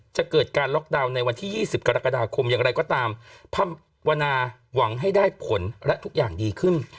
จะเกิดการล็อกดาวน์ในวันที่๒๐กรกฎาคมอย่างไรก็ตามภาวนาหวังให้ได้ผลและทุกอย่างดีขึ้น